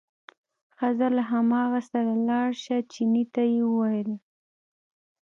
ښه ځه له هماغه سره لاړ شه، چیني ته یې وویل.